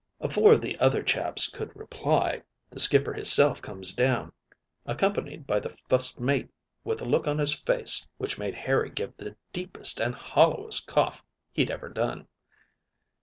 "'Afore the other chaps could reply, the skipper hisself comes down, accompanied by the fust mate, with a look on his face which made Harry give the deepest and hollowest cough he'd ever done.